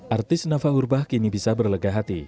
artis nafa urbah kini bisa berlega hati